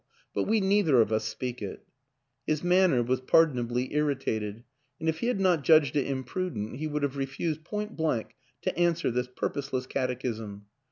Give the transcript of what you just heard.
But we neither of us speak it." His manner was pardonably irritated, and if he had not judged it imprudent he would have re fused point blank to answer this purposeless cat echism.